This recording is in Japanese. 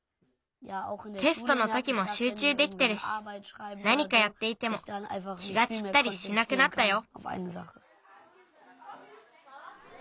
テストのときもしゅうちゅうできてるしなにかやっていても気がちったりしなくなったよ。